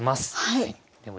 はい。